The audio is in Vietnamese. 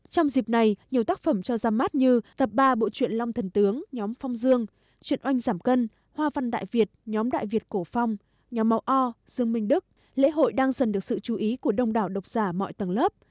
trong dịp này nhiều tác phẩm cho ra mắt như tập ba bộ chuyện long thần tướng nhóm phong dương chuyện oanh giảm cân hoa văn đại việt nhóm đại việt cổ phong nhóm máu o dương minh đức lễ hội đang dần được sự chú ý của đông đảo độc giả mọi tầng lớp